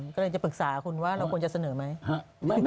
ใจที่จะพรึกษาว่าคุณคุณควรจะเสนอไหม